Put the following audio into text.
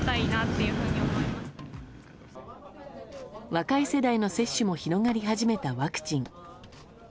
若い世代の接種も広がり始めたワクチン。